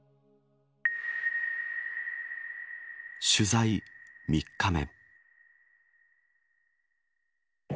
取材３日目。